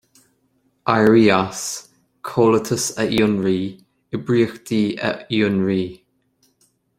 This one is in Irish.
Éirí as; Comhaltas a Fhionraí; Oibríochtaí a Fhionraí.